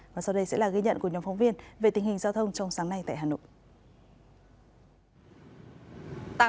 và sau đây sẽ là ghi nhận của nhóm phóng viên về tình hình giao thông trong sáng nay tại hà nội